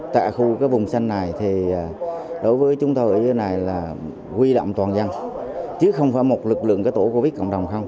tại khu vùng xanh này đối với chúng tôi ý là quy động toàn dân chứ không phải một lực lượng tổ covid cộng đồng